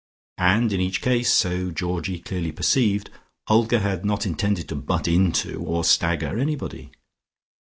And in each case, so Georgie clearly perceived, Olga had not intended to butt into or stagger anybody.